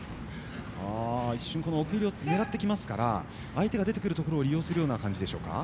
奥襟を狙ってきますから相手が出てくるところを利用するような感じでしょうか。